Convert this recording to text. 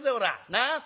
なあ。